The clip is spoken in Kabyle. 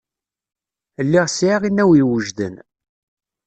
Lliɣ sɛiɣ inaw iwejden.